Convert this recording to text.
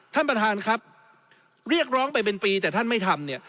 ท่านประธานครับเรียกร้องไปเป็นปีแต่ท่านไม่ทำเนี่ย